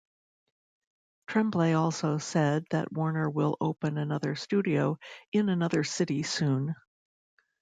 Tremblay also said that Warner will open another studio in another city soon.